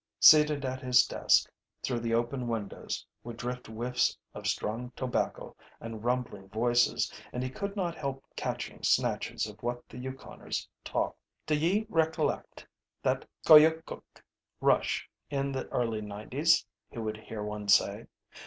Seated at his desk, through the open windows would drift whiffs of strong tobacco and rumbling voices, and he could not help catching snatches of what the Yukoners talked. "D'ye recollect that Koyokuk rush in the early nineties?" he would hear one say.